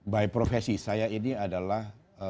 by profesi saya ini adalah